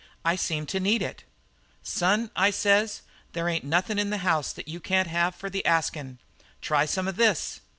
I seem to need it.' "'Son!' says I, 'there ain't nothin' in the house you can't have for the askin'. Try some of this!'